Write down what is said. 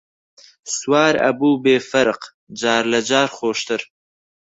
سوار ئەبوو بێ فەرق، جار لە جار خۆشتر